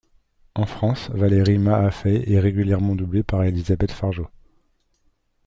En France, Valerie Mahaffey est régulièrement doublée par Elizabeth Fargeot.